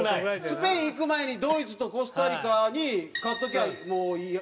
スペイン行く前にドイツとコスタリカに勝っとけばもういい？